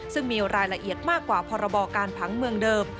ซึ่งมีรายละเอียดมากกว่าพรบการผังเมืองเดิม